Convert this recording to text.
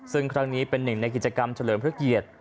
ซึ่งครั้งนี้เป็นหนึ่งในกิจกรรมเฉลิมพระเกียรติ